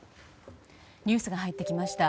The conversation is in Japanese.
ニュースが入ってきました。